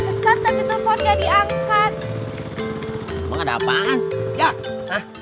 kalo lu senggang tolong tanyain harga mukena di tanah bang